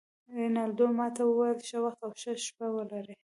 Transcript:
رینالډي ما ته وویل: ښه وخت او ښه شپه ولرې.